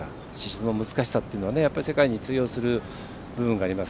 宍戸の難しさは世界に通用する部分があります。